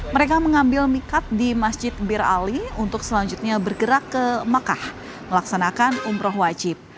mereka mengambil mikad di masjid bir ali untuk selanjutnya bergerak ke makkah melaksanakan umroh wajib